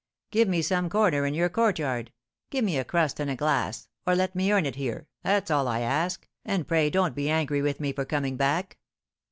Give me some corner in your courtyard, give me a crust and a glass, or let me earn it here, that's all I ask, and pray don't be angry with me for coming back.'